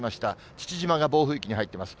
父島が暴風域に入っています。